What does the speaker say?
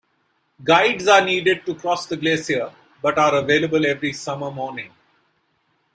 Guides are needed to cross the glacier, but are available every summer morning.